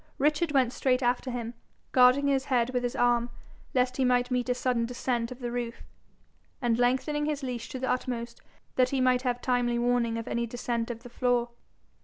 Richard went straight after him, guarding his head with his arm, lest he might meet a sudden descent of the roof, and lengthening his leash to the utmost, that he might have timely warning of any descent of the floor.